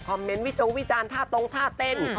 เมนต์วิจงวิจารณ์ท่าตรงท่าเต้น